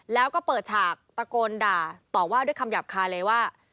แล้วก็เปิดฉากตะโกนด่าต่อว่าด้วยคำหยาบคายเลยว่า